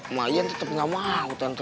emak iyan tetep gak mau tante